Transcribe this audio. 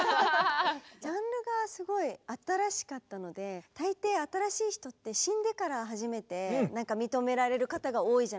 ジャンルがすごい新しかったので大抵新しい人って死んでから初めて認められる方が多いじゃないですか。